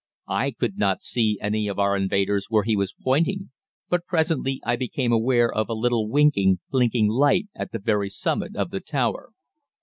"I could not see any of our invaders where he was pointing, but presently I became aware of a little winking, blinking light at the very summit of the tower.